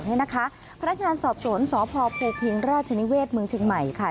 พนักงานสับสนสพพิงราชนิเวศเมืองเชียงใหม่ค่ะ